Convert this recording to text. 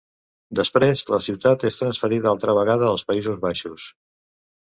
Després la ciutat es transferia altra vegada als Països Baixos.